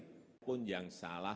ini pun yang salah